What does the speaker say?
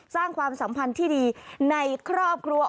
ความสัมพันธ์ที่ดีในครอบครัว